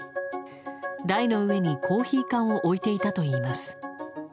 台の上にコーヒー缶を置いていたといいます。